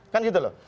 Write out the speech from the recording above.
kan gitu lho